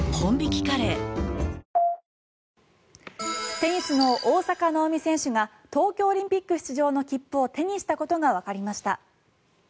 テニスの大坂なおみ選手が東京オリンピック出場の切符を手にしたことがわかりました。